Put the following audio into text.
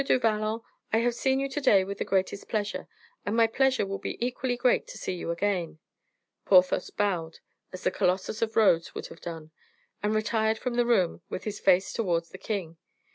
du Vallon, I have seen you to day with the greatest pleasure, and my pleasure will be equally great to see you again." Porthos bowed as the Colossus of Rhodes would have done, and retired from the room with his face towards the king.